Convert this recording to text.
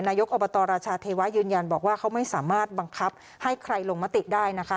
นายกอบตรราชาเทวะยืนยันบอกว่าเขาไม่สามารถบังคับให้ใครลงมติได้นะคะ